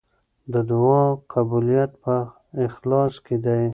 د دعا قبولیت په اخلاص کې دی.